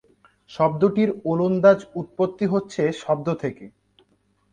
শব্দটির ওলন্দাজ উৎপত্তি হচ্ছে শব্দ থেকে।